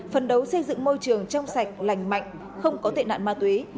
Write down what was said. phần đấu xây dựng môi trường trong sạch lành mạnh không có tệ nạn ma túy